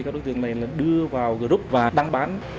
các đối tượng đưa vào group và đăng bán